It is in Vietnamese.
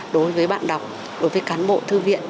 đối với bạn đọc đối với cán bộ thư viện